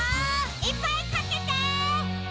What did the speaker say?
いっぱいかけて！